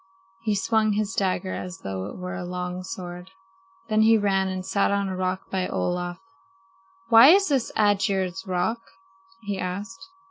He swung his dagger as though it were a long sword. Then he ran and sat on a rock by Olaf. "Why is this Aegir's Rock?" he asked.